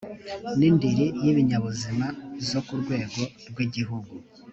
n indiri y ibinyabuzima zo ku rwego rw igihugu